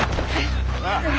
なあ？